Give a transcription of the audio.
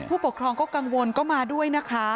ผู้ปกครองก็กังวลก็มาด้วยนะคะ